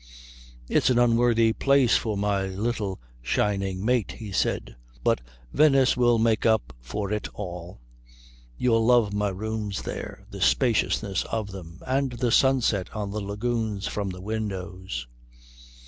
"It's an unworthy place for my little shining mate," he said, "but Venice will make up for it all. You'll love my rooms there the spaciousness of them, and the sunset on the lagoons from the windows.